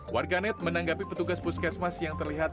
warganet menanggapi petugas puskesmas yang terlihat